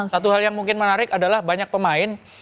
satu hal yang mungkin menarik adalah banyak pemain